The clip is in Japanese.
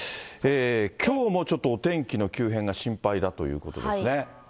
きょうもちょっとお天気の急変が心配だということですね。